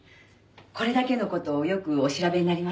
これだけの事をよくお調べになりましたね。